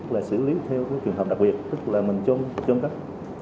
là xử lý theo cái trường hợp đặc biệt tức là mình trôn cất